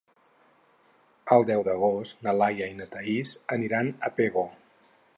El deu d'agost na Laia i na Thaís aniran a Pego.